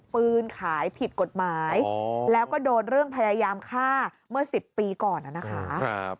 ปืนขายผิดกฎหมายแล้วก็โดนเรื่องพยายามฆ่าเมื่อ๑๐ปีก่อนนะคะ